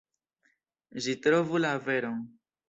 Ĝi trovu la veron.